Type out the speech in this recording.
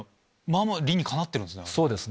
理にかなってるんすね。